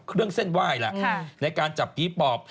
เครื่องเส้นไหว้ล่ะในการจับกี๊ปอบ